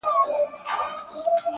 اوس په پوهېږمه زه، اوس انسان شناس يمه.